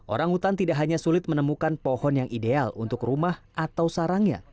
orang hutan tidak hanya sulit menemukan pohon yang ideal untuk rumah atau sarangnya